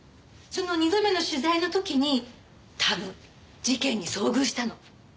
その二度目の取材の時に多分事件に遭遇したの。